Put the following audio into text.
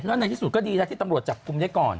แล้วในที่สุดก็ดีนะที่ตำรวจจับกลุ่มได้ก่อน